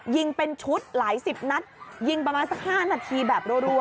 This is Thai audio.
ยิงเป็นชุดหลายสิบนัดยิงประมาณสัก๕นาทีแบบรัว